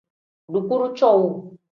Dukuru cowuu.